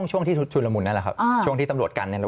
ช่วงที่ชุดละมุนนั่นแหละครับช่วงที่ตำรวจกันเนี่ย